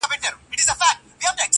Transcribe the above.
• زړه مي را خوري.